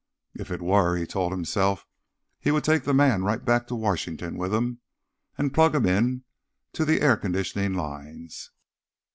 If it were, he told himself, he would take the man right back to Washington with him, and plug him into the air conditioning lines.